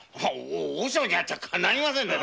和尚にあっちゃかないませんな。